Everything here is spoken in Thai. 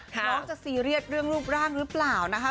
น้องจะซีเรียสเรื่องรูปร่างหรือเปล่านะคะ